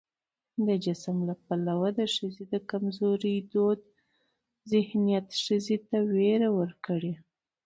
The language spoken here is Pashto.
د جسم له پلوه د ښځې د کمزورۍ دود ذهنيت ښځې ته ويره ورکړې